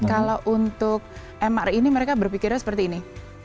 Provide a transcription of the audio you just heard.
kalau untuk mr ini mereka berpikirnya seperti ini